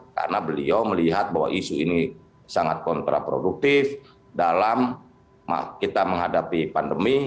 karena beliau melihat bahwa isu ini sangat kontraproduktif dalam kita menghadapi pandemi